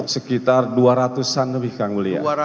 sekitar dua ratus an lebih kang mulia